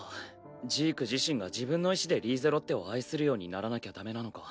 ジーク自身が自分の意志でリーゼロッテを愛するようにならなきゃダメなのか。